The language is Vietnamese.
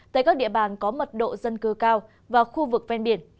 tại các địa bàn có mật độ dân cư cao và khu vực ven biển